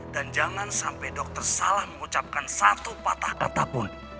dan jangan sampai dokter salah mengucapkan satu patah katapun